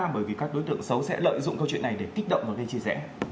bởi vì các đối tượng xấu sẽ lợi dụng câu chuyện này để kích động và gây chia rẽ